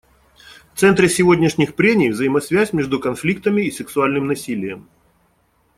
В центре сегодняшних прений — взаимосвязь между конфликтами и сексуальным насилием.